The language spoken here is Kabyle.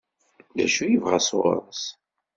D acu i yebɣa sɣur-s?